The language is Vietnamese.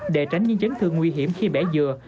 để tránh những chấn thương nguy hiểm khi bể dừa